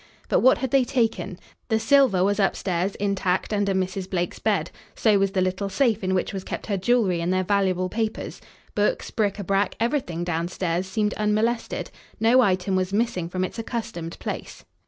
But what had they taken? The silver was upstairs, intact, under Mrs. Blake's bed; so was the little safe in which was kept her jewelry and their valuable papers. Books, bric à brac, everything down stairs seemed unmolested. No item was missing from its accustomed place.